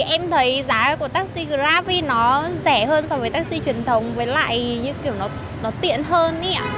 em thấy giá của taxi grab nó rẻ hơn so với taxi truyền thống với lại như kiểu nó tiện hơn